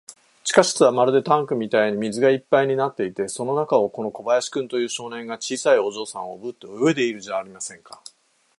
地下室はまるでタンクみたいに水がいっぱいになっていて、その中を、この小林君という少年が、小さいお嬢さんをおぶって泳いでいるじゃありませんか。